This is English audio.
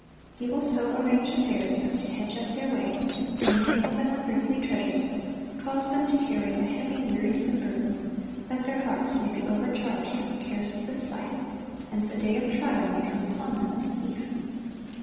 He will so arrange affairs as to hedge up their way, entangle them with earthly treasures, cause them to carry a heavy, wearisome burden, that their hearts may be overcharged with the cares of this life, and the day of trial may come upon them as a thief.